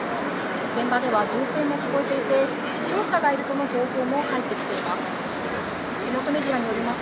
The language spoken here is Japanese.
現場では銃声も聞こえていて、死傷者がいるとの情報も入ってきています。